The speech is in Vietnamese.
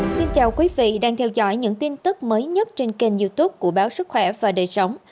xin chào quý vị đang theo dõi những tin tức mới nhất trên kênh youtube của báo sức khỏe và đời sống